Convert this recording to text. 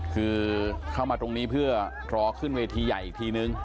คือเข้ามาตรงนี้เพื่อรอขึ้นเวทีใหญ่อีกทีนึง